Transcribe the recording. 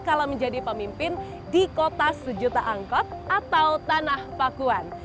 kala menjadi pemimpin di kota sejuta angkot atau tanah pakuan